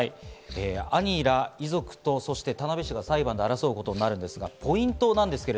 兄ら遺族と、そして田辺市が裁判で争うことになりますが、ポイントです。